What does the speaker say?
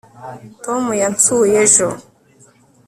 tom yansuye ejo